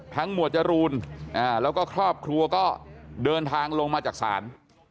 หมวดจรูนแล้วก็ครอบครัวก็เดินทางลงมาจากศาล